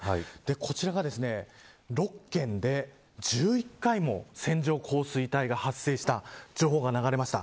こちらが、６県で１１回も線状降水帯が発生した情報が流れました。